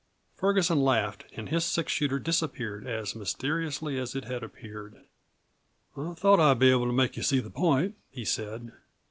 Ferguson laughed, and his six shooter disappeared as mysteriously as it had appeared. "I thought I'd be able to make you see the point," he said.